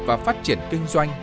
và phát triển kinh doanh